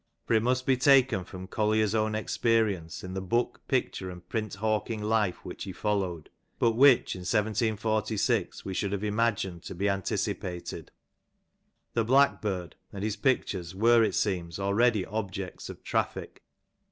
For it must be taken from Oollier'^s own experience in the book picture and print hawking life which he followed, but which in ] 746 we should have imagined to be anticipated. " The Blackbird^' and his Pictures were it seems already objects of traffic.